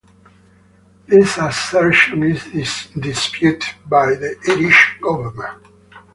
This assertion is disputed by the Irish government.